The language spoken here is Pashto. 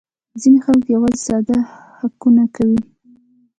ځینې خلک یوازې ساده هکونه کاروي